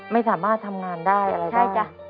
ไม่สามารถทำงานได้หรอก